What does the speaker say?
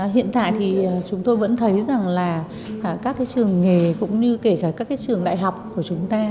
hiện tại thì chúng tôi vẫn thấy rằng là các trường nghề cũng như kể cả các trường đại học của chúng ta